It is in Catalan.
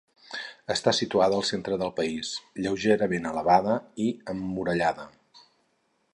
Està situada al centre del país, lleugerament elevada i emmurallada.